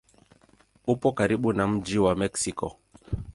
Upo karibu na mji wa Meksiko.